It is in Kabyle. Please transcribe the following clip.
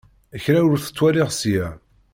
Kra ur t-ttwaliɣ ssya.